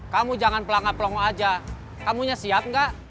kamu jangan pelanggan pelongo aja kamunya siap nggak